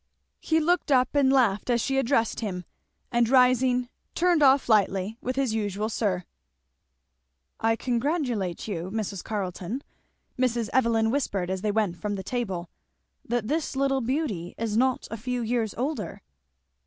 He looked up and laughed as she addressed him, and rising turned off lightly with his usual sir. "I congratulate you, Mrs. Carleton," Mrs. Evelyn whispered as they went from the table, "that this little beauty is not a few years older."